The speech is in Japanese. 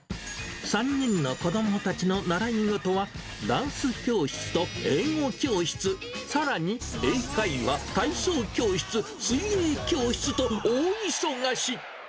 ３人の子どもたちの習い事は、ダンス教室と英語教室、さらに英会話、体操教室、水泳教室と、大忙し。